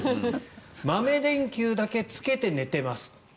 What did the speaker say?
豆電球だけつけて寝てます。